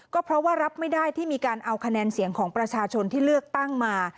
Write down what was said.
ก็เพราะว่ารับไม่ได้ที่มีการเอาคะแนนเสียงของประชาชนที่เลือกตั้งมา